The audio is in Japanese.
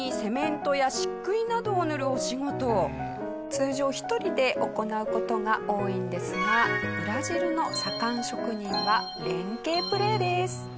通常１人で行う事が多いんですがブラジルの左官職人は連携プレーです。